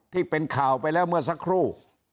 ที่เป็นข่าวไปแล้วเมื่อสักครู่